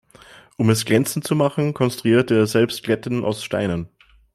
Um es glänzend zu machen, konstruierte er selbst Glätten aus Steinen.